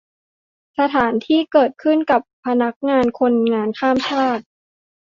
สถานการณ์ที่เกิดขึ้นกับที่พักคนงานข้ามชาติ